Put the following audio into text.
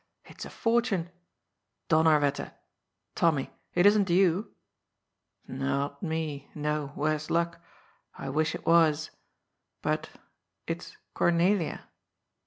It's a fortune. Donnerwetter ! Tommy, it isn't you ?"" X ot me, no, worse luck. I wish it was. But it's Cor nelia.